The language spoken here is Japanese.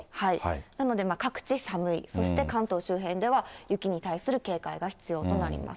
なので各地寒い、そして関東周辺では、雪に対する警戒が必要となります。